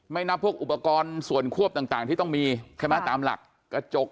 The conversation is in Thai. ไม่นับพวกอุปกรณ์ส่วนควบต่างต่างที่ต้องมีขยะมะตามหลักกระจก